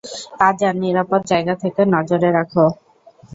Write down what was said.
আজান, নিরাপদ জায়গা থেকে নজর রাখো।